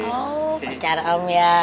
oh pacar om ya